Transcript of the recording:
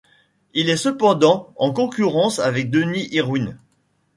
Il est cependant en concurrence avec Denis Irwin.